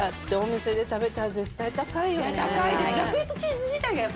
高いです。